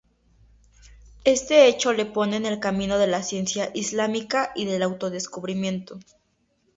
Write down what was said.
Este hecho le pone en el camino de la Ciencia Islámica y del autodescubrimiento.